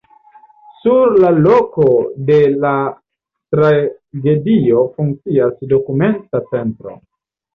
Sur la loko de la tragedio funkcias dokumenta centro.